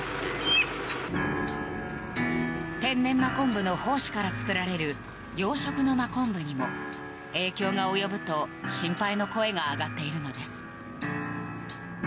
天然真昆布の胞子から作られる養殖の真昆布にも影響が及ぶと心配の声が上がっているのです。